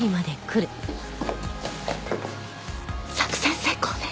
作戦成功ね。